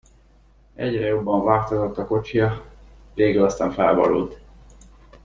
Egyre jobban vágtatott a kocsija, végül aztán felborult.